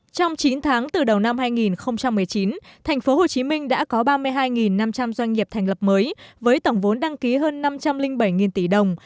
trong chín tháng từ đầu năm hai nghìn một mươi chín tp hcm đã có ba mươi hai năm trăm linh doanh nghiệp thành lập mới với tổng vốn đăng ký hơn năm trăm linh bảy tỷ đồng